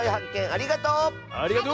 ありがとう！